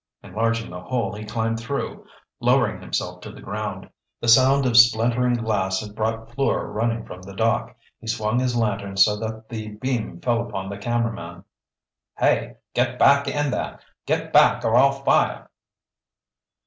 Enlarging the hole, he climbed through, lowering himself to the ground. The sound of splintering glass had brought Fleur running from the dock. He swung his lantern so that the beam fell upon the cameraman. "Hey, get back in there! Get back or I'll fire!"